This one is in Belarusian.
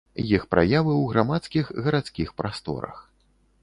Іх праявы ў грамадскіх гарадскіх прасторах.